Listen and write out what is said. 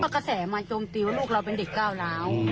กระแสมาโจมตีว่าลูกเราเป็นเด็กก้าวร้าว